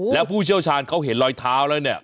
แล้วผู้เชี่ยวชาญเขาเห็นรอยเท้าแล้วเนี่ย